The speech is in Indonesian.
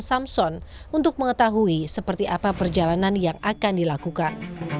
samson untuk mengetahui seperti apa perjalanan yang akan dilakukan